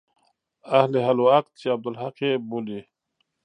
اهل حل و عقد چې عبدالحق يې بولي.